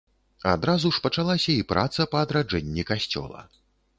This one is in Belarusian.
Адразу ж пачалася і праца па адраджэнні касцёла.